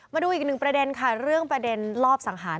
มาดูอีกหนึ่งประเด็นค่ะเรื่องประเด็นรอบสังหาร